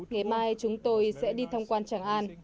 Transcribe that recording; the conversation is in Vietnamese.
ngày mai chúng tôi sẽ đi thăm quan tràng an